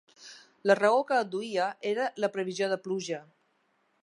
La raó que adduïa era la previsió de pluja.